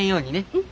うん。